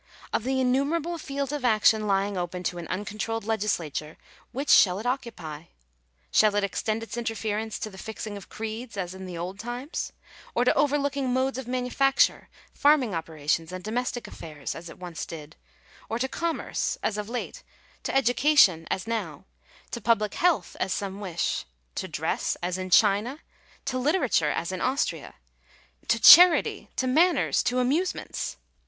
Of the innumerable fields of action lying open to an uncontrolled legislature, which shall it occupy? Shall it ex tend its interference to the fixing of creeds, as in the old times ; or to overlooking modes of manufacture, farming operations, and domestic affairs, as it once did; or to commerce, as of late — to education, as now — to public health, as some wish — to dress, as in China — to literature, as in Austria — to charity, to manners, to amusements?